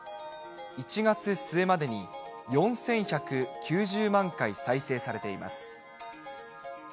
１月末までに４１９０万回再生されています。